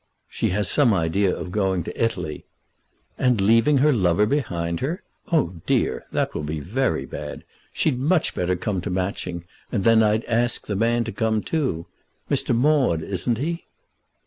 "She has some idea of going back to Italy." "And leaving her lover behind her! Oh, dear, that will be very bad. She'd much better come to Matching, and then I'd ask the man to come too. Mr. Maud, isn't he?"